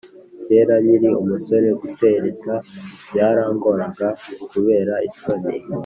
Kera nkiri umusore gutereta byarangoranga kubera isoni